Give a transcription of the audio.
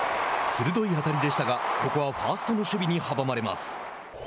鋭い当たりでしたがここはファーストの守備に阻まれます。